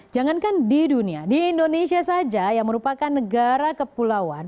jangankan di dunia di indonesia saja yang merupakan negara kepulauan